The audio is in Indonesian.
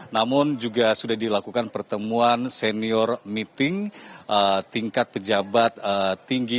namun juga sudah dilakukan pertemuan senior meeting tingkat pejabat tinggi